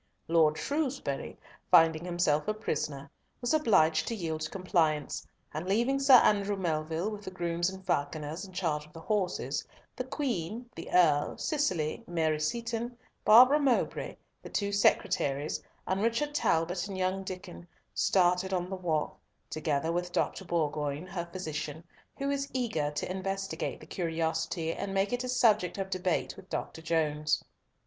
Lord Shrewsbury, finding himself a prisoner, was obliged to yield compliance, and leaving Sir Andrew Melville, with the grooms and falconers, in charge of the horses, the Queen, the Earl, Cicely, Mary Seaton, Barbara Mowbray, the two secretaries, and Richard Talbot and young Diccon, started on the walk, together with Dr. Bourgoin, her physician, who was eager to investigate the curiosity, and make it a subject of debate with Dr. Jones.